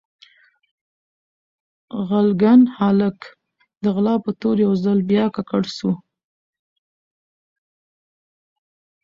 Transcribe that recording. غلګن هالک د غلا په تور يو ځل بيا ککړ سو